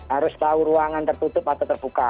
harus tahu ruangan tertutup atau terbuka